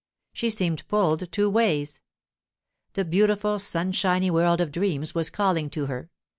She seemed pulled two ways. The beautiful sunshiny world of dreams was calling to her.